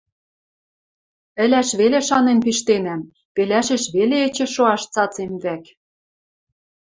Ылаш веле шанен пиштенӓм, пелашеш веле эче шоаш цацем вӓк...